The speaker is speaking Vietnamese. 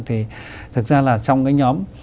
thì thật ra là trong cái nhóm